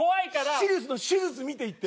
シリウスの手術見ていって。